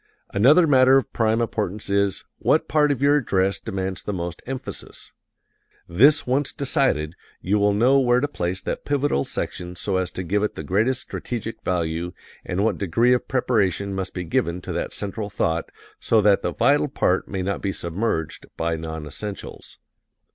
Another matter of prime importance is, what part of your address demands the most emphasis. This once decided, you will know where to place that pivotal section so as to give it the greatest strategic value, and what degree of preparation must be given to that central thought so that the vital part may not be submerged by non essentials.